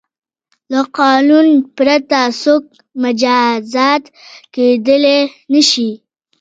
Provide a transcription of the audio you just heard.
له قانون پرته څوک مجازات کیدای نه شي.